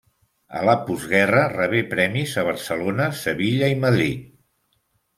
A la postguerra rebé premis a Barcelona, Sevilla i Madrid.